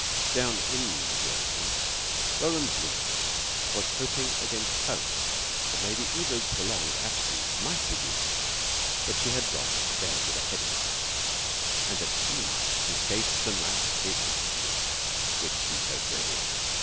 Down in the drawing room, Roland Bleke was hoping against hope that Lady Eva's prolonged absence might be due to the fact that she had gone to bed with a headache, and that he might escape the nightly interview which he so dreaded.